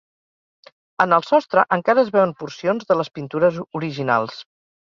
En el sostre encara es veuen porcions de les pintures originals.